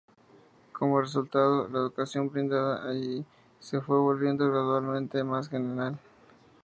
Como resultado, la educación brindada allí se fue volviendo gradualmente más general.